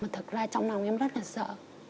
thật ra trong lòng em rất là sợ